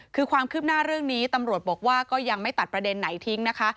คือความคืบหน้าเรื่องนี้ตำรวจบอกว่าก็ยังไม่ตัดประเด็นไหนทิ้งนะคะ